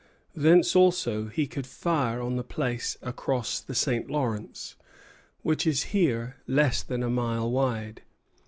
Thence also he could fire on the place across the St. Lawrence, which is here less than a mile wide.